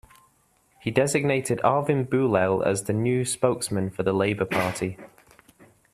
He designated Arvin Boolell as the new spokesman for the Labour Party.